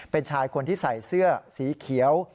เป็นชายคนที่ใส่เสื้อสีเขียว